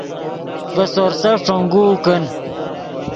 ڤے سورسف ݯونگوؤ کن